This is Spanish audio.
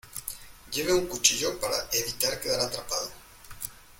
lleve un cuchillo para evitar quedar atrapado.